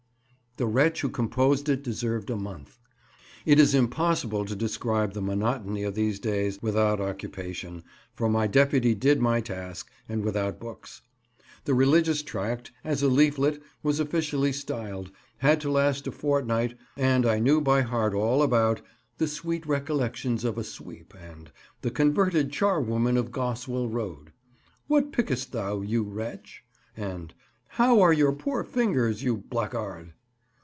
The wretch who composed it deserves a month. It is impossible to describe the monotony of these days without occupation—for my deputy did my task—and without books. The religious tract, as a leaflet was officially styled, had to last a fortnight; and I knew by heart all about "The Sweet Recollections of a Sweep," and "The Converted Charwoman of Goswell Road." "What Pickest Thou, you Wretch?" and "How are your Poor Fingers, you Blackguard?"